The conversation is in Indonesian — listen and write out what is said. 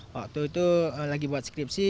waktu itu lagi buat skripsi